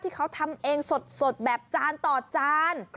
ที่เขาทำเองสดแบบจานต่อจาน